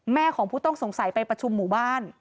ของผู้ต้องสงสัยไปประชุมหมู่บ้าน